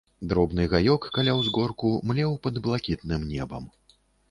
Дробны гаёк, каля ўзгорку, млеў пад блакітным небам.